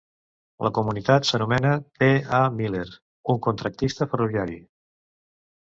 La comunitat s'anomena T. A. Miller, un contractista ferroviari.